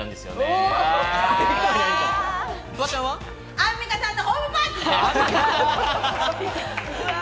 アンミカさんとホームパーティー！